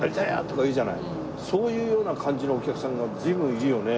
そういうような感じのお客さんが随分いるよね。